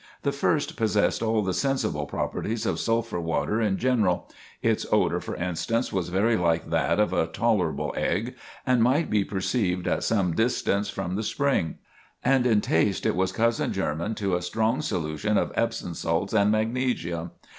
The first possessed all the sensible properties of sulphur water in general; its odor, for instance, was very like that of a "tolerable egg," and might be perceived at some distance from the Spring; and in taste it was cousin german to a strong solution of Epsom salts and magnesia.